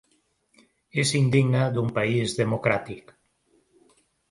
És indigne d’un país democràtic.